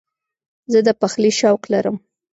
زه د پخلي شوق لرم.